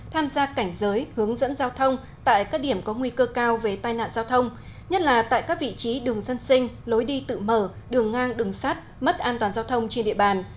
tham gia cảnh giới hướng dẫn giao thông tại các điểm có nguy cơ cao về tai nạn giao thông nhất là tại các vị trí đường dân sinh lối đi tự mở đường ngang đường sát mất an toàn giao thông trên địa bàn